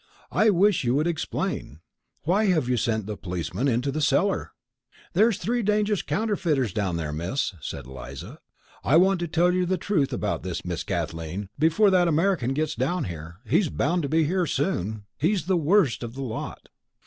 I wish you would explain. Why have you sent the policeman into the cellar?" "There's three dangerous counterfeiters down there, Miss," said Eliza. "I want to tell you the truth about this, Miss Kathleen, before that American gets down here he's bound to be here soon. He's the worst of the lot."